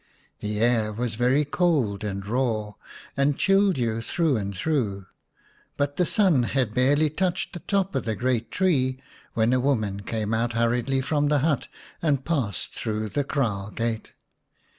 The air was very cold and raw, 66 vii The Three Little Eggs and chilled you through and through, but the sun had barely touched the top of the great tree when a woman came out hurriedly from the hut and passed through the kraal gate.